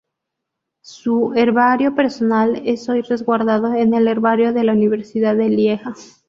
Su herbario personal es hoy resguardado en el herbario de la Universidad de Lieja.